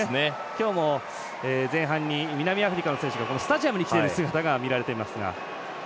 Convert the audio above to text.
今日も前半に南アフリカの選手がスタジアムに来ている姿が見られていますが。